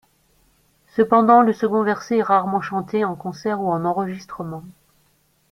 Cependant, le second verset est rarement chanté, en concert ou en enregistrement.